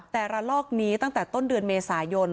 แต่ระลอกนี้ตั้งแต่ต้นเดือนเมษายน